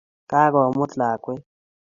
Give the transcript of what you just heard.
Kagomut lakwet